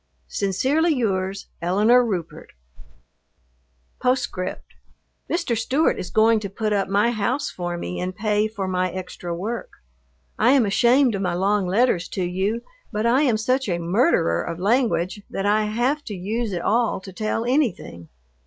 Sincerely yours, ELINORE RUPERT. Mr. Stewart is going to put up my house for me in pay for my extra work. I am ashamed of my long letters to you, but I am such a murderer of language that I have to use it all to tell anything.